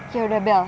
ya udah bel